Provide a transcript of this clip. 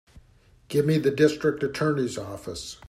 Give me the District Attorney's office.